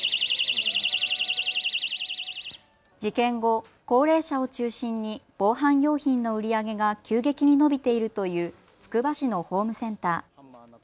事件後、高齢者を中心に防犯用品の売り上げが急激に伸びているというつくば市のホームセンター。